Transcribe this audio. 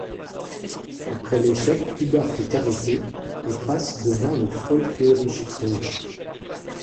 Après l'échec, Kuebart est arrêté et passe devant le Volksgerichtshof.